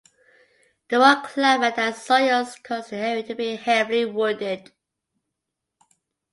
The raw climate and soils cause the area to be heavily wooded.